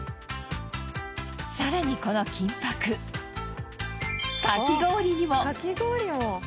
更にこの金箔かき氷にも。